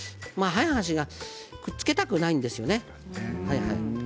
早い話がくっつけたくないんですよね。